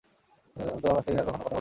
আমি তোমার সাথে আর কখনো কথা বলবো না।